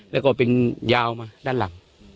แล้วก็เป็นยาวมาด้านหลัง